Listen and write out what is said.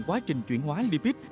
quá trình chuyển hóa lipid